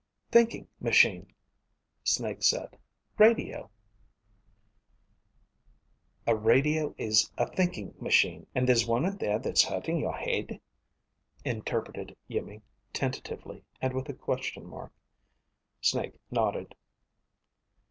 Thinking ... machine, Snake said. Radio ... "A radio is a thinking machine and there's one in there that's hurting your head?" interpreted Iimmi, tentatively, and with a question mark. Snake nodded.